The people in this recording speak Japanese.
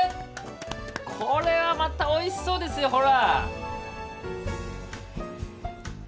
これはまたおいしそうですよほら！